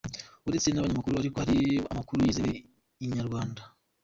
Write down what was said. Uretse n’abanyamakuru ariko, hari amakuru yizewe Inyarwanda.